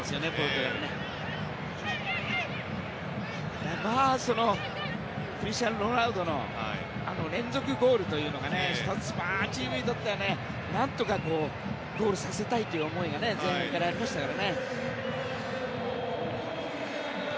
クリスティアーノ・ロナウドの連続ゴールというのが１つ、チームにとっては何とかゴールさせたいという思いが前半からありましたからね。